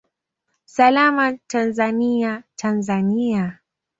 Salama Tanzania, Tanzania!